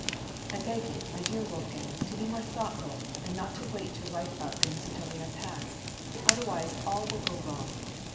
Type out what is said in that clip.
"I beg you, my dear Wolfgang, to be more thoughtful, and not to wait to write about things until they are past; otherwise all will go wrong."